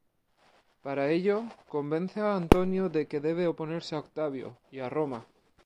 Para ello, convence a Antonio de que debe oponerse a Octavio, y a Roma.